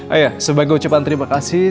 ayah sebagai ucapan terima kasih